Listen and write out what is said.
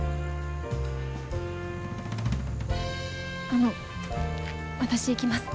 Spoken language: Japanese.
あの私行きます。